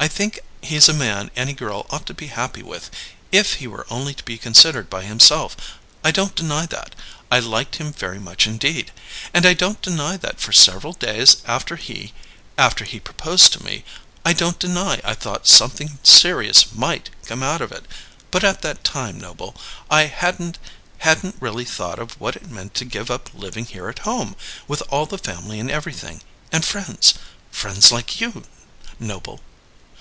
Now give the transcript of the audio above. I think he's a man any girl ought to be happy with, if he were only to be considered by himself. I don't deny that. I liked him very much indeed, and I don't deny that for several days after he after he proposed to me I don't deny I thought something serious might come of it. But at that time, Noble, I hadn't hadn't really thought of what it meant to give up living here at home, with all the family and everything and friends friends like you, Noble.